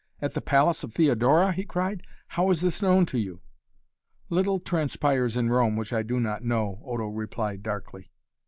"At the palace of Theodora?" he cried. "How is this known to you?" "Little transpires in Rome which I do not know," Odo replied darkly.